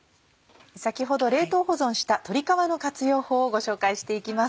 先ほど冷凍保存した鶏皮の活用法をご紹介していきます。